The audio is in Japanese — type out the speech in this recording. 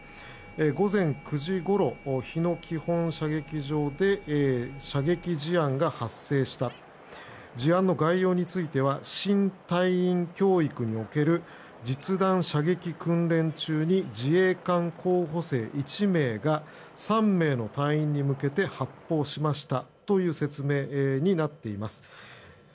午前９時ごろ、日野基本射撃場で射撃事案が発生した事案の概要については新隊員教育における実弾射撃訓練中に自衛官候補生１名が３名の隊員に向けて発砲しましたという説明になっています。